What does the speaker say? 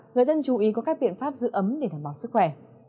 người dân chú ý có các biện pháp giữ ấm để đảm bảo sức khỏe